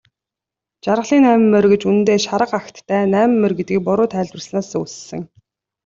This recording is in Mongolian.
Жаргалын найман морь гэж үнэндээ шарга агттай найман морь гэдгийг буруу тайлбарласнаас үүссэн.